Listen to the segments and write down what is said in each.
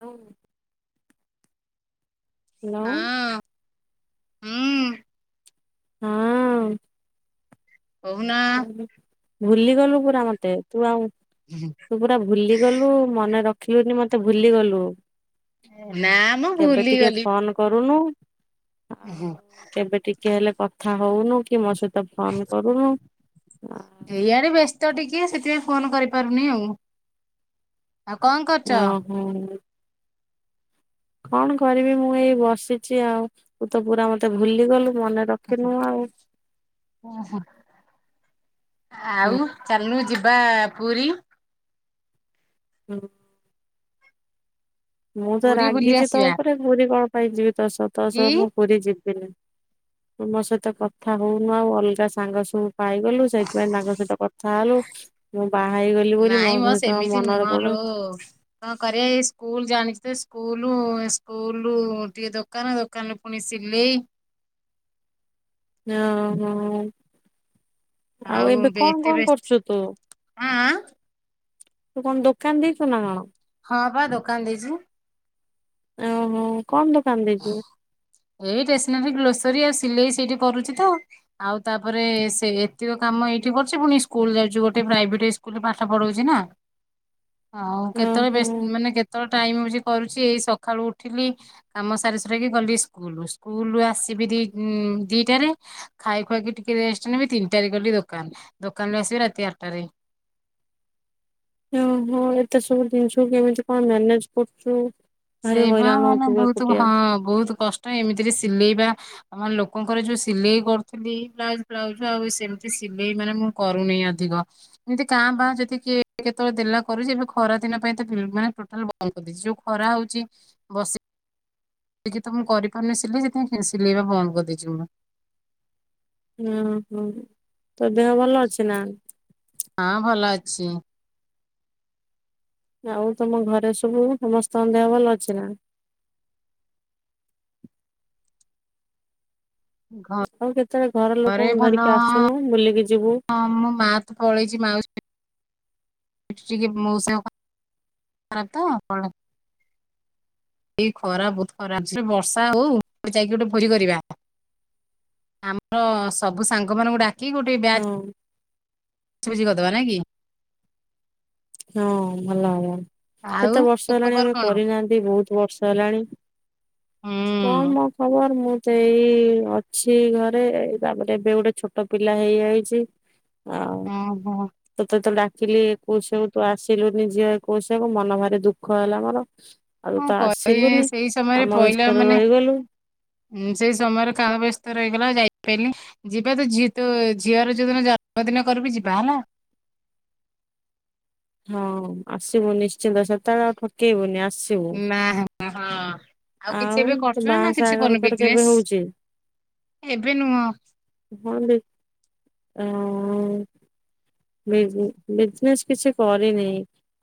ହଉ। ହେଲୋ ହଁ ହୁଁ ହଁ। କହୁନା। ଭୁଲିଗଲୁ ପୁରା ମତେ ତୁ ଆଉ ହୁଁଁ। ତୁ ପୁରା ଭୁଲିଗଲୁ ମନେ ରଖିଲୁନି ମତେ ଭୁଲିଗଲୁ। ନା ମ କେବେ ଟିକେ ଭୁଲିଗଲି। ଫୋନ କରୁନୁ। ଆଉ କେବେ ଟିକେ ହେଲେ କଥା ହଉନୁ କି ମୋସହିତ ସହିତ ଫୋନ କରୁନୁ। ଏଇଆଡେ ବ୍ୟସ୍ତ ଟିକେ ସେଥିପାଇଁ ଫୋନ କରିପାରୁନି ଆଉ। ଆଉ କଣ କରୁଛ? ହୁଁ କଣ କରିବି ମୁଁ ଏଇ ବସିଛି ଆଉ ତୁ ତ ପୁରା ମତେ ଭୁଲି ଗଲୁ ମନେ ରଖ ଓ ଓହୋ ଆଉ ଚାଲୁନୁ ଯିବା ପୁରୀ। ହୁଁ। ମୁଁ ତ ପୁରୀ ବୁଲି ରାଗିଚି ତୋ ଆସିବା ଉପରେ ପୁରୀ କଣ ପାଇଁ ଯିବି ତୋ ସହ ତୋ କି? ସହ ମୁଁ ପୁରୀ ଯିବିନି। ତ ମୋ ସହିତ କଥା ହଉନୁ ଆଉ ଅଲଗା ସାଙ୍ଗ ସବୁ। ପାଇଗଲୁ ସେଇଥିପାଇଁ ତାଙ୍କ ସହିତ କଥା ହେଲୁ। ମୁଁ ବାହା ହେଇଗଲି ବୋଲି ମୋ ସହିତ ମନର ପଡୁନି। ଓ। କଣ କରିବା ଏଇ ସ୍କୁଲ ଜାଣିଛି ତେ ସ୍କୁଲ ସ୍କୁଲରୁ ଟିକେ ଦୋକାନ। ଦୋକାନ ପୁଣିି ସିଲେଇ। ଯା ହଉ। ଆଉ ଏବେ କଣ ଏତେ କଣ ବ୍ୟସ୍ତ କରୁଚୁ ତୁ? ଆଁ ତୁ କଣ ଦୋକାନ ଦେଇଚୁ ନା କଣ। ହଁ ପା ଦୋକାନ ଦେଇଚି ମୁଁ। ଏ ଓହୋ କଣ ଦୋକାନ ଦେଇଚୁ? ଏଇ ଷ୍ଟେସନାରୀ ଗ୍ରୋସରୀ ଆଉ ସିଲେଇ ସେଇଠି କରୁଚି ତ। ଆଉ ତାପରେ ସେ ଏତିକ କାମ ଏଇଠି କରୁଚି ପୁଣି ସ୍କୁଲ ଯାଉଛି ଗୋଟେ ପ୍ରାଇଭେଟ ସ୍କୁଲରେ ପାଠ ପଢଉଛି ନା। ହଉ କେତେବେଳେ ଓହୋ ବେସ ମାନେ କେତେବେଳେ ଟାଇମ ମିଳୁଛି କରୁଚି ଏଇ ସକାଳୁ ଉଠିଲି। କାମ ସାରି ସୁରାକି ଗଲି ସ୍କୁଲ ସ୍କୁଲରୁ ଆସିବି ଦି ଉଁ ଦିଟାରେ। ଖାଇ ଖୁଆକି ଟିକେ ରେଷ୍ଟ୍ ନେବି ତିନିଟାରେ ଗଲି ଦୋକାନ ଦୋକାନ ରେ ଆସିବି ରାତି ଆଟାରେ। ୟ ହଁ ଏତେ ସବୁ ଜିନିଷକୁ କେମିତି କଣ ମ୍ୟାନେଜ କରୁଚୁ? ସେଇପା ମାନେ ବହୁତ ହଁ ବହୁତ କଷ୍ଟ ଏମିତିରେ ସିଲେଇବା। ଆମର ଲୋକଙ୍କର ଯୋଉ ସିଲେଇ କରୁଥୁଲି ବ୍ଲାଉଜ ଫ୍ଲାଉଜ୍ ଆଉ ସେମିତି ସିଲେଇ ମାନେ ମୁଁ କରୁନି ଆଧିକ। ଏମିତି କାଁ ଭାଁ ଯଦି କିଏ କେତେଳେ ଦେଲା କରୁଚି ଏବେ ଖରା ଦିନ ପାଇଁ ତ ବିଲ ମାନେ ଟୋଟାଲ ବନ୍ଦ କରିଦେଇଚି ଯୋଉ ଖରା ହଉ ଚି ବସି ନିଜେ ତ ମୁଁ କରିପାରୁନି ସିଲେଇ ସେଥିପାଇଁ ଫି ସିଲେଇବା ବନ୍ଦ କରିଦେଇଛି [inaudible] [unintelligible] ହଁ ତୋ ଦେହ ଭଲ ଅଛି ନା। ହଁ ଭଲ ଅଛି। ଆଉ ତମ ଘରେ ସବୁ ସମସ୍ତଙ୍କ ଦେହ ଭଲ ଅଛି ନା। ଘ ଆଉ କେତେବେଳେ ଘର ଘରେ ଲୋକଙ୍କୁ ଭଲ ଧରିକି ଆସୁନୁ ବୁଲିକି ଯିବୁ ହଁ ମୁଁ ମା। ପଳେଇଚି ମାଉସୀ ଏଠି ଟିକେ ମଉସାଙ୍କ [unintelligible] ଏଇ ଖରା ବହୁତ ଖରା ହଉଚି ବର୍ଷା ହଉ ଯାଇକି ଗୋଟେ ଭୋଜି କରିବା। ଆମର ସବୁ ସାଙ୍ଗମାନଙ୍କୁ ଡାକି ଗୋଟେ ବ୍ୟାଚ୍ ହଉ। ଭୋଜି କରିଦବା ନା କି। ହଁ ଭଲ ହବ। ଆଉ କେତେ ବର୍ଷ ତୋ ହେଲାଣି ଖବର ଆମେ କଣ? କରିନାହାନ୍ତି ବହୁତ ବର୍ଷ ହେଲାଣି ହୁଁ କଣ ମ ଖବର ମୁଁ ତ ଏଇ ଅଛି ଘରେ ତାପରେ ଏବେ ଗୋଟେ ଛୋଟ ପିଲା ହେଇଯାଇଚି। ଅ ହଁ। ତତେ ତ ଡାକିଲି ଏକୋସିଆକୁ ତୁ ଆସିଲୁନି ଝିଅ ଏକୋସିଆକୁ ମନ ଭାରି ଦୁଃଖ ହେଲା ମୋର। ଆଉ କଣ ତ କହିବି ଆସିଲୁନି ସେଇ କାମ ବ୍ୟସ୍ତରେ ରହିଗଲୁ। ହୁଁ ସେଇ ସମୟରେ କାମ ବ୍ୟସ୍ତ ରହିଗଲା ଯାଇ ପାଇଲିନି। ଯିବା ତ ଝି ତୋ ଝିଅର ଯୋଉଦିନ ଜନ୍ମଦିନ କରିବି ଯିବା ହେଲା। ହଁ ଆସିବୁ ନିଶ୍ଚିନ୍ତ ସେତେବେଳେ ଆଉ ଠକେଇବୁନି ଆସ ନା ଆଉ ଆଉ କିଛି ଏବେ ତୋ କରୁଛ ନା ନା ବାହାସାହା କିଛି ଆଗର କରୁନୁ ତୋର କେବେ ବିଜନେସ? ହଉଛି ଏବେ ନୁହଁ। ହଁ ଦେ ଆ ବିଜନ ବିଜନେସ୍ କିଛି କରିନି।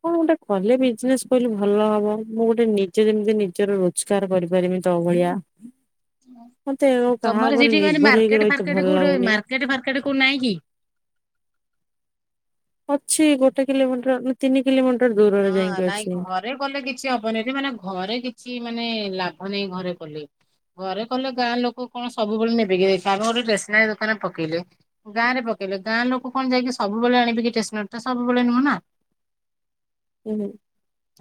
କଣ ଗୋଟେ କଲେ ବିଜନେସ କହିଲେ ଭଲ ହବ ମୁଁ ଗୋଟେ ନିଜେ ଯେମିତି ନିଜର ରୋଜ ଗାର କରିପାରମି ତ ଭଳିଆ। ମତେ ଆଉ କାହା ତମର ଉପରେ ସେଠି ମାନେ ନିର୍ଭର ହେଇକି ମାର୍କେଟ ରହିତେ ଭଲ ଫାର୍କେଟ କୋଉଠି ମାର୍ ଲାଗୁନି। ମାର୍କେଟ ଫର୍କେଟ କୋଉଠି ନାହିଁ କି? ଅଛି ଗୋଟେ କିଲୋମିଟର ଦି ତିନି କିଲୋମିଟର ଦୂରରେ ହଁ ଯାଇକି ନାଇଁ ଅଛି। ଘରେ କଲେ କିଛି ହବନିରେ ମାନେ ଘରେ କିଛି ମାନେ ଲାଭ ନହିଁ ଘରେ କଲେ। ଘରେ କଲେ ଗାଁ ଲୋକ କଣ ସବୁବେଳେ ନେବେକି ଆମେ ଗୋଟେ ଷ୍ଟେସନାରୀ ଦୋକାନରେ ପକେଇଲେ ଗାଁରେ ପକେଇଲେ ଗାଁ ଲୋକ କଣ ଯାଇକି ସବୁବେଳେ ଆଣିବେକି ଷ୍ଟେସନାରୀ ତ ସବୁବେଳେ ନୁହଁ ନା। ହୁଁ ହୁ।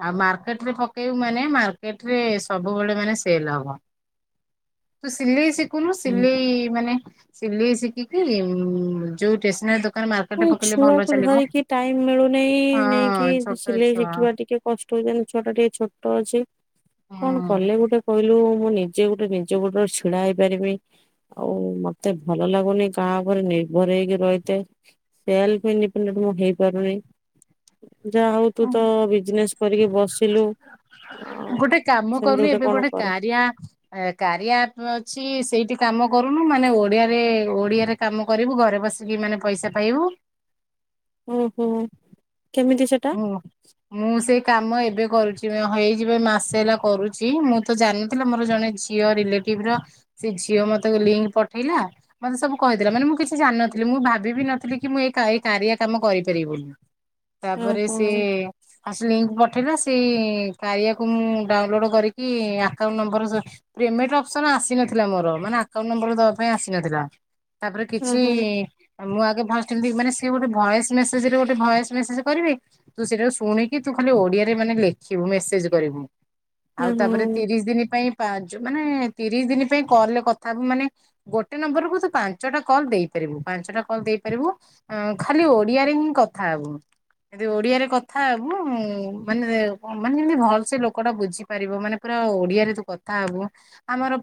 ଆଉ ମାର୍କେଟ ରେ ପକେଇବୁ ମାନେ ମାର୍କେଟ ରେ ସବୁବେଳେ ମାନେ ସେଲ ହବ। ତୁ ସିଲେଇ ଶିଖୁନୁ ହୁଁ। ସିଲେଇ ମାନେ ସିଲେଇ ଶିଖିକି ଯୋଉ ଟେସନାରୀ ଦୋକାନ ମାର୍କେଟରେ ପକେଇଲେ ଭଲ ଛୁଆକୁ ଚାଲିବ। ଧରିକି ଟାଇମ ମିଳୁନିଁ ହଁ ନେଇକି କି ଛୋଟ ସିଲେଇ ଛୁଆ ଶିଖିବା ଟିକେ କଷ୍ଟ ହେଇଯିବ ଛୁଆ ଟା ଟିକେ ଛୋଟ ଅଛି। କଣ ହୁଁ। କଲେ ଗୋଟେ କହିଲୁ ମୁଁ ନିଜେ ଗୋଟେ ନିଜ ଗୋଡ଼ର ଛିଡା ହେଇପାରିବି। ଆଉ ମତେ ଭଲ ଲାଗୁନି କାହା ଆଗରେ ନିର୍ଭରେ ହେଇକି ରହିତେ। ସେଲ ନି ହେଇପାରୁନି [unintelligible] ଯା ହଉ ତୁ ତ ବିଜ୍ ନେସ କରିକି ବସିଲୁ। ହଉ ସେମିତି ଗୋଟେ କଣ କରେ। ବ୍ୟାଙ୍କ କାରିଆପ ଅଛି ସେଇଠି କାମ କରୁନୁ ମାନେ ଓଡିଆରେ ଓଡିଆରେ କାମ କରିବୁ ଘରେ ବସିକି ମାନେ ପଇସା ପାଇବୁ। ଓହୋ କେମିତି ସେଟା? ହୁଁ ମୁଁ ସେଇ କାମ ଏବେ କରୁଛି ହେଇଯିବ ମାସ ହେଲା କରୁଛି ମୁଁ ତ ଜାଣୁଥିଲି ମୋର ଜଣେ ଝିଅ ରିଲେଟିଭ ର ସେ ଝିଅ ମତେ ଲିଙ୍କ ପଠେଇଲା। ମତେ ସବୁ କହିଥିଲା ମାନେ ମୁଁ କିଛି ଜାଣିନଥିଲି ମୁଁ ଭାବିବି ନଥିଲି କି ମୁଁ ଏ ଏ କାରିଆ କାମ କରିପାରିବି ବୋଲି। ତାପରେ ଓହୋ ସେ ଆଉ ସେ ଲିଙ୍କ ପଠେଇଲା ସେଇ କାରିଆକୁ ମୁଁ ଡାଉନଲୋଡ କରିକି ଆକାଉଣ୍ଟ ନମ୍ବର ପେମେଣ୍ଟ ଅପସନ୍ ଆସିନଥିଲା ମୋର ମାନେ ଆକାଉଣ୍ଟ ନମ୍ବର ଦେବା ପାଇଁ ଆସିନଥିଲା। ତାପରେ କିଛି ଓହୋ ମୁଁ ଆଗେ ଫାଷ୍ଟ ଏମିତି ମାନେ ସ ଗୋଟେ ଭଏସ ମେସେଜ ରେ ଗୋଟେ ଭଏସ ମେସେଜ କରିବେ ତୁ ସେଇଟା ଶୁଣିକି ତୁ ଖାଲି ଓଡିଆରେ ମାନେ ଲେଖିବୁ ମେସେଜ କରିବୁ। ଆଉ ଓହୋ ତାପରେ ତିରିଶ ଦିନ ପାଇଁ ପା ମାନେ ତିରିଶ ଦିନ ପାଇଁ କଲେ କଥାହବୁ ମାନେ ଗୋଟେ ନମ୍ବରକୁ ତୁ ପାଞ୍ଚଟା କଲ ଦେଇପାରିବୁ ପାଞ୍ଚଟା କଲ୍ ଦେଇପାରିବୁ। ହୁଁ ଖାଲି ଓଡିଆରେ ହିଁ କଥା ହବୁ। ଯଦି ଓଡିଆରେ କଥା ହେବୁ ମାନେ ମାନେ ଯେମତି ଭଲ ସେ ଲୋକଟା ବୁଝିପାରିବ ମାନେ ପୁରା ଓଡିଆରେ ତୁ କଥା ହବୁ। ଆମର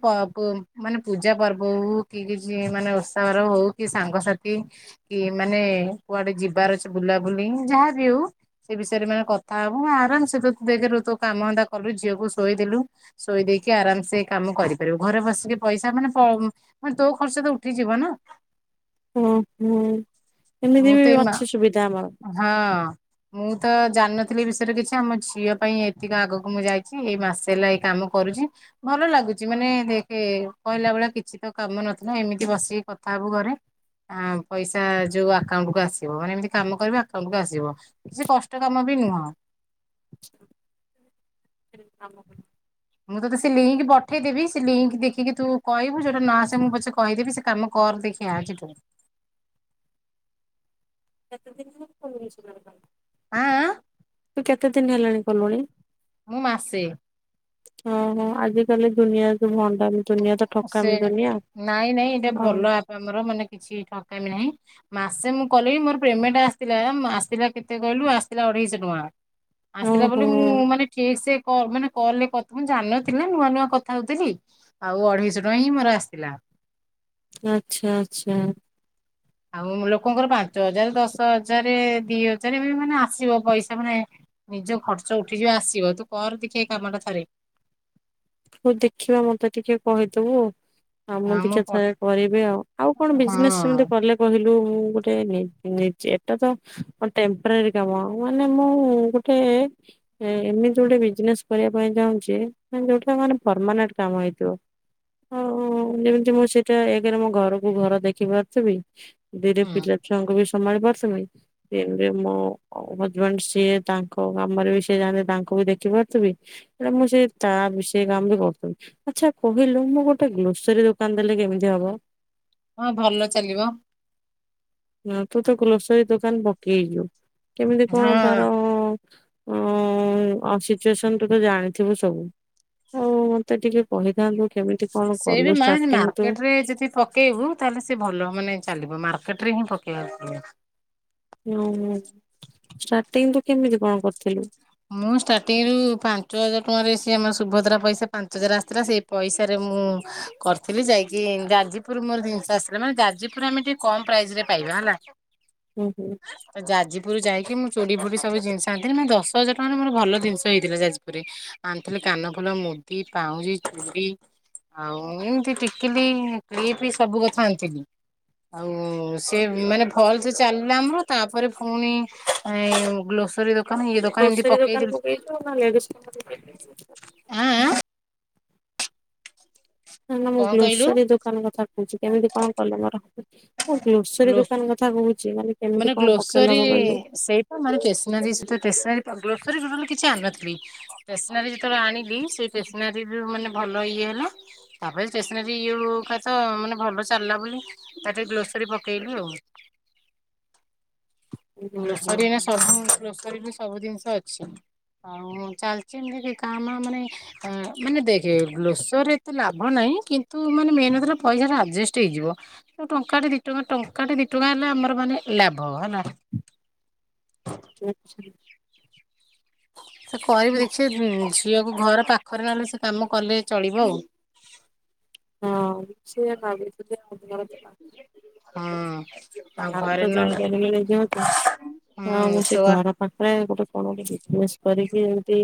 ମାନେ ପୂଜା ପର୍ବ ହଉ କି କିଛି ମାନେ ଉତ୍ସାବର ହଉ କି ସାଙ୍ଗସାଥି କି ମାନେ କୁଆଡେ ଯିବାର ଅଛି ବୁଲାବୁଲି ଯାହାବି ହଉ। ସେ ବିଷୟରେ ମାନେ କଥା ହବ ଆରାମ ସେ ତୁ ଦେଖିଲୁ ତୁ କାମଧନ୍ଦା କଲୁ ଝିଅକୁ ଶୋଇଦେଲୁ। ଶୋଏଇ ଦେଇେଇକି ଆରାମସେକାମ କରିପାରିବୁ ଘରେ ବସିକି ପଇସା ମାନେକମ୍ ମାନେ ତୋ ଖର୍ଚ୍ଚ ତ ଉଠିଯିବ ନା। ହୁଁ ହୁଁ ମୁଁ ଏମିତି ତ ବି ଏଇ ମା ଅଛି ସୁବିଧା ଆମର। ହଁ ମୁଁ ତ ଜାଣିନଥିଲି ଏ ବିଷୟରେ କିଛି ଆମ ଝିଅ ପାଇଁ ଏତିକି ଆଗକୁ ମୁଁ ଯାଇଛି। ଏଇ ମାସେ ହେଲା ଏଇ କାମ କରୁଛି। ଭଲ ଲାଗୁଛି ମାନେ ଦେଖେ କହିଲା ଭେଳିଆ କିଛି ତ କାମ ନଥିଲା ଏମିତି ବସିକି କଥା ହବୁ ଘରେ। ହଁ ପଇସା ଯୋଉ ଆକାଉଣ୍ଟ କୁ ଆସିବ ମାନେ ଏମତି କାମ କର ଆକାଉଣ୍ଟ କୁ ଆସିବ। ସେ କଷ୍ଟ କାମ ବି ନୁହଁ। କାମ ମୁଁ ତୋତେ ସେ ଲିଙ୍କ ପଠେଇଦେବି ସେ ଲିଙ୍କ ଦେଖିକି ତୁ କହିବୁ ଯଦି ନ ଆସେ ମୁଁ ପଛେ କହିଦେବି ସେ କାମ କର ଦେ [unintelligible] କେତେ ଦିନ ହେଲା [unintelligible] ଆଁ ଆଁ ତୁ କେତେ ଦିନ ହେଲାଣି କଲୁଣି? ମୁଁ ମାସେ। ଓହୋ ଆଜି କାଲି ଦୁନିଆ ତ ଭଣ୍ଡ ନୁ ଦୁନିଆ ସେ ନାଇଁ ନାଇଁ ଏଇଟା ଓ ଭଲ ଆପଣଙ୍କର ମାନେ କିଛି ଠକା ନାହିଁ। ମାସେ ମୁଁ କଲି ମୋର ପେମେଣ୍ଟ ଆସିଥିଲା ଆସିଲା କେତେ କହିଲୁ ଆସିଲା ଅଢେଇଶହ ଟଙ୍କା। ଆସିଲା ଓହୋ ବୋଲି ମୁଁ ମାନେ ଠିକ୍ ସେ କ ମାନେ କଲ୍ ରେ କଥା ମୁଁ ଜାଣିନଥିଲି ନୂଆ ନୂଆ କଥା ହଉଥିଲି। ଆଉ ଅଢ଼େଇଶହ ଟଙ୍କା ହିଁ ମୋର ଆସିିଥିଲା। ଆଛା ଆଚ୍ଛା। ଆଉ ଲୋକଙ୍କର ପାଞ୍ଚ ହଜାର ଦଶ ହଜାର ଦି ହଜାର ଏବେ ମାନେ ଆସିବ ପଇସା ମାନେ ନିଜ ଖର୍ଚ୍ଚ ଉଠିଯିବ ଆସିବ। ତୁ କର ଦେଖା ଏଇ କାମଟା ଥରେ। ହଉ ଦେଖିବା ମତେ ଟିକେ କହିଦେବୁ ଆଉ। ହ ମୁଁ ହଁ ଟିକେ ପ ଥରେ କରିବି ଆଉ। ଆଉ କଣ ହଁ ବିଜିନେସ ସେମିତି କଲେ କହିଲୁ ମୁ ଗୋଟେ ଏଟା ତ ଟେମ୍ପୋରାରୀ କାମ ମାନେ ମୁଁ ଗୋ ଗଟେ ଏମିତି ଗୋଟେ ବିଜନେସ କରିବା ପାଇଁ ଚାହୁଁଚି ମାନେ ଯୋଉଠି ସେମାନେେ ପରମାନେଣ୍ଟ କାମ ହେଇଥିବ। ହଁ ଯେମିତି ମୁଁ ସେଇଟା ଏକରେ ମୋ ଘରକୁ ଘର ଦେଖିପାରୁଥିବି ଦିରେ ହୁଁ ପିଲା ଛୁଆଙ୍କୁ ବି ସମ୍ଭାଳି ପାରୁଥୁମି ସେ ମୋ ହଜବେଣ୍ଡ ସିଏ ତାଙ୍କ କାମରେ ବି ସିଏ ଯାହା ହେନେ ତାଙ୍କୁ ବି ଦେଖିପରୁଥୁବି ଆ ମୁ ଯେ ତା ବି ସେ କାମ ବି କରୁଚୁ। ଆଚ୍ଛା କହିଲୁ ମୁ ଗୋଟେ ଗ୍ରୋସରୀ ଦୋକାନ ଦେଲେ କେମିତି ହବ? ହଁ ଭଲ ଚାଲିବ। ହ ତୁ ତ ଗ୍ରୋସରୀ ଦୋକାନ ପକେଇ ଯୁ କେମିତି କଣ ହଁ। ତାର ଓ ଆଉ ସିଚୁଏସନ ତୁ ତ ଜାଣିଥିବୁ ସବୁ ହଉ ମତେ ଟିକେ କହିଥାନ୍ତୁ କେମିତି କଣ ସେଇ କଲୁ ବି ମା ଷ୍ଟାର୍ଟିଂ ତୁ? ମାର୍କେଟ ରେ ଯଦି କ କେହୁ ତାନେ ସେ ଭଲ ମାନେ ଚାଲିବ ମାର୍କେଟ ହିଁ ପକେଇବା [unintelligible] ହ ଷ୍ଟାର୍ଟିଙ୍ଗ ତୁ କେମିତି କଣ କରିଥିଲୁ? ମୁଁ ଷ୍ଟାର୍ଟିଂରୁୁ ପାଞ୍ଚ ହଜାର ଟଙ୍କାରେ ସି ଆମ ସୁଭଦ୍ରା ପଇସା ପାଞ୍ଚ ହଜାର ଆସିଥିଲା। ସେ ପଇସାରେ ମୁଁ କରିଥିଲି, ଯାଇକି ଗାଜିପୁର ମୋର ଜିନିଷ ଆସିଲାନା ଯାଜପୁର ଆମେ ଟିକେ କମ୍ ପ୍ରାଇସରେ ପାଇବା ହେଲା। ହୁଁ ହୁଁ ତ ଯାଜପୁରରୁ ଯାଇକି ମୁଁ ଚୁଡି ଫୁଡି ସବୁ ଜିନିଷ ଆଣିଥିଲି ମୁ ଦଶ ଛ ହଜାର ଟଙ୍କ ମୋର ଭଲ ଜିନିଷ ହେଇଥିଲା ଯାଜପୁରରେ। ଆଣିଥିଲି କାନଫୁଲ, ମୁଦି, ପାଉଁଜି, ଚୁଡି ଆଉ ଏମତି ଟିକିଲି, କ୍ଲିପି ସବୁ କଥା ଆଣିଥିଲି। ଆଉ ସେ ମାନେ ଭଲ୍ ସେ ଚାଲିଲା ଆମର ତାପରେ ଫୁଣି ଗ୍ଲୋସ୍ [unintelligible] ଗ୍ରୋସରୀ ଦୋକାନ ପକେଇଥିବ ନହଲେ ଲେଡିଜ୍ କର୍ଣ୍ଣର ପକେଇଥିବ ଆଁ -ଆଁ। ନା ନା ମୁଁ କଣ କହିଲୁ ଗ୍ଲୋସରୀ ଦୋକାନ କଥା କହୁଚି କେମିତି କଣ କଲେ ମୋର ହବ ମୁଁ ଗ୍ଲୋସରୀ ଗ୍ଲୋ ଦୋକାନ କଥା କଥା କହୁଚି ମାନେ କେମିତି ମାନେ କଣ ପକେଇଲେ ଗ୍ଲୋସରୀ ହବ କହିଲୁ? ସେଇ [unintelligible] କିଛି ଆଣିନଥିଲି ଷ୍ଟେସନାରୀ ଯେତେବେଳେ ଆଣି ଲି ସେ ଷ୍ଟେସନାରୀ ବି ମାନେ ଭଲ ଇଏ ହେଲା। ତାପରେ ଷ୍ଟେସନାରୀ ଇଏ ହଉ ହଉକା ତ ମାନେ ଭଲ ଚାଲିଲା ବୋଲି ତାପରେ ଗ୍ଲୋସରୀ ପକେଇଲୁ ଆଉ। ହୁଁ ହୁଁ ଗ୍ଲୋସରୀ ଏଇନା ସବୁ ଗ୍ଲୋସରୀରେ ସବୁ ଜିନିଷ ଅଛି। ଆଉ ଚାଲିଚି ଏମିତି କି କାମ ମାନେ ମାନେ ଦେଖେ ଗ୍ଲୋସରୀରେ ଏତେ ଲାଭ ନାହିଁ କିନ୍ତୁ ମାନେ ମେନ୍ ହେଲା ପଇସା ଟା ଆଜେଷ୍ଟ୍ ହେଇଯିବ। ଆ ଟଙ୍କାଟେ ଦି ଟଙ୍କା ଟଙ୍କାଟେ ଦି ଟଙ୍କା ହେଲା ଆମର ମାନେ ଲାଭ ହେଲା। [inaudible] ସେ କରିବି ଦେଖିବେ ଝିଅକୁ ଘର ପାଖରେ ନହଲେ ସେ କାମ କଲେ ଚଳିବ ଆଉ। ହଁ [unintelligible] ହଁ। ଆଉ ବାହାରକୁ ଘରେ ତ ନହେଲେ ଯାଇପାରି [unintelligible] ହୁଁ ଆଉ ମୁଁ ସେ ଛୁଆ ଘର [unintelligible] ଗୋଟେ କଣ ବିଜ୍ନେସ୍ କରିକି ଏମତି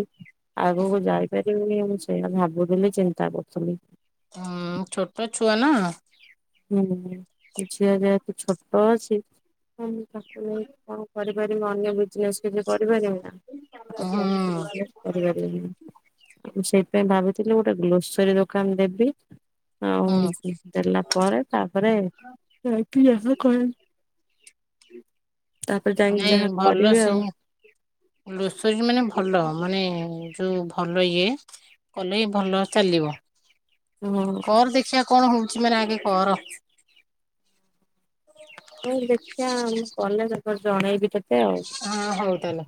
ଆଗକୁ ଯାଇପାରି [unintelligible] ମୁଁ ସେଇଆ ଭାବୁଥିଲି ଚିନ୍ତା କରୁଥିଲି। ଉଁ- ଛୋଟ ଛୁଆ ନା। ହୁଁ ଝିଅ ଯେହେତୁ ଛୋଟ ଅଛି ହଁ ମୁଁ ତାକୁ ନେଇ କଣ କରିପାରିବି ଅନ୍ୟ ବିଜ୍ନେସ୍ କିଛି କରିପାରିବି ନା। ହୁଁ [unintelligible] ଆଉ ମୁଁ ସେଇଥିପାଇଁ ଭାବିଥିଲି ଗୋଟେ ଗ୍ଲୋସରୀ ଦୋକାନ୍ ଦେବି ଆଉ ହୁଁ ଦେଲା ପରେ ତାପରେ ଯାଇଥିଲି [unintelligible] କରି। ତାପରେ ଯାଇଁକି ଯାହା କରିବେ ଆଉ। ଗ୍ଲୋସରୀ ମାନେ ଭଲ ମାନେ ଯଉ ଭଲ ଇଏ। କଲେ ବି ଭଲ ଚାଲିବ। ହୁଁ। କର ଦେଖିବା କଣ ହଉଚି ମାନେ ଆଗେ କର। ହୁଁ ଦେଖିବା ମୁଁ କଲେ ତତେ ଜଣେଇବି ତତ୍ ହଁ ହଉ ତାହାଲେ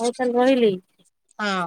ହଉ ତାହେଲେ ରହିଲି। ହଁ।